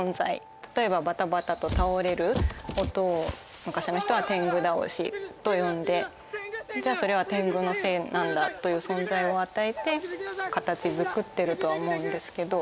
例えばバタバタと倒れる音を昔の人は天狗倒しと呼んでじゃあそれは天狗のせいなんだという存在を与えて形づくってるとは思うんですけど